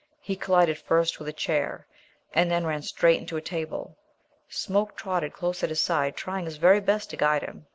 He collided first with a chair, and then ran straight into a table. Smoke trotted close at his side, trying his very best to guide him.